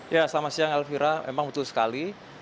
ya selamat siang elvira memang betul sekali